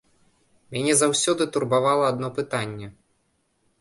Мяне заўсёды турбавала адно пытанне.